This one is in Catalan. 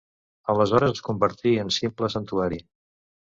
Aleshores es convertí en simple santuari.